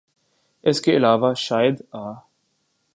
اس کے علاوہ شاید آ